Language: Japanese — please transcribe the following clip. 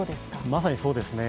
まさにそうですね。